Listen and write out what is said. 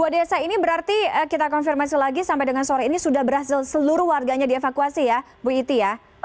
dua desa ini berarti kita konfirmasi lagi sampai dengan sore ini sudah berhasil seluruh warganya dievakuasi ya bu iti ya